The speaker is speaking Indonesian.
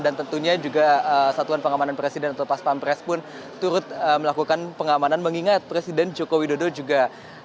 dan tentunya juga satuan pengamanan presiden atau pas pampres pun turut melakukan pengamanan mengingat presiden joko widodo juga memiliki pengamanan